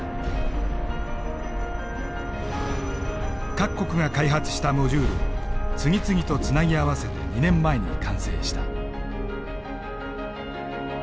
各国が開発したモジュールを次々とつなぎ合わせて２年前に完成した。